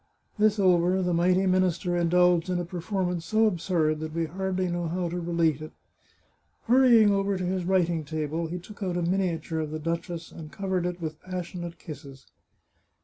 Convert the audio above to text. This over, the mighty minister in dulged in a performance so absurd that we hardly know how to relate it. Hurrying over to his writing table, he took out a miniature of the duchess, and covered it with passion ate kisses.